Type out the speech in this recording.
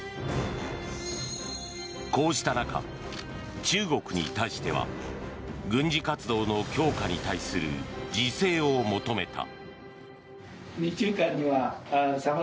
こうした中、中国に対しては軍事活動の強化に対する自制を求めた。